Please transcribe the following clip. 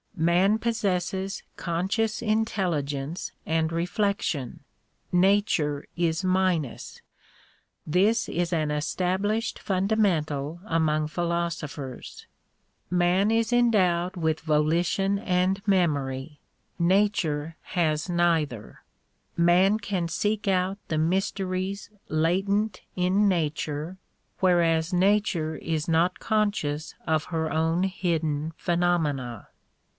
Man possesses conscious Intel ligence and reflection; nature is minus. This is an established fundamental among philosophers. J\Ian is endowed with volition and memory ; nature has neither, Man can seek out the mysteries latent in nature whereas nature is not conscious of her own hidden phenomena.